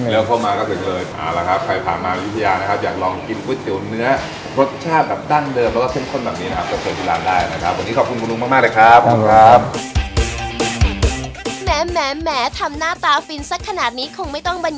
แล้วเฉยเข้ามาถึงเลย